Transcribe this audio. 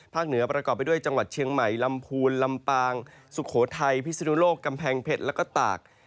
เหนือประกอบไปด้วยจังหวัดเชียงใหม่ลำพูนลำปางสุโขทัยพิศนุโลกกำแพงเพชรแล้วก็ตาก